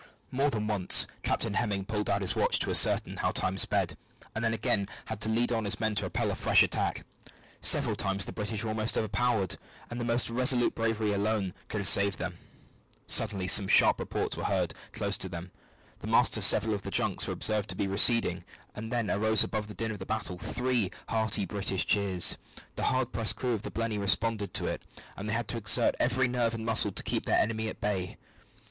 More than once Captain Hemming pulled out his watch to ascertain how time sped, and then again had to lead on his men to repel a fresh attack. Several times the British were almost overpowered, and the most resolute bravery alone could have saved them. Suddenly some sharp reports were heard close to them. The masts of several of the junks were observed to be receding, and then arose above the din of battle three hearty British cheers. The hard pressed crew of the Blenny responded to it, but they had to exert every nerve and muscle to keep the enemy at bay.